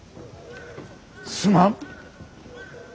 すまん。